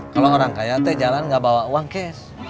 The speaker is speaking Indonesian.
kalau orang kaya teh jalan gak bawa uang cash